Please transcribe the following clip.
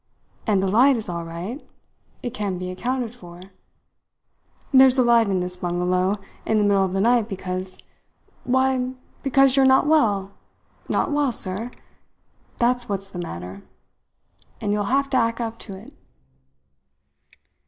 And the light is all right, it can be accounted for. There's a light in this bungalow in the middle of the night because why, because you are not well. Not well, sir that's what's the matter, and you will have to act up to it."